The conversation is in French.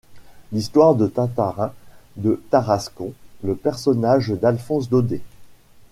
L'histoire de Tartarin de Tarascon, le personnage d'Alphonse Daudet.